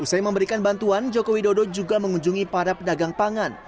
usai memberikan bantuan joko widodo juga mengunjungi para pedagang pangan